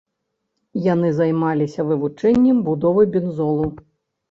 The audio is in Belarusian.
Яны займаліся вывучэннем будовы бензолу.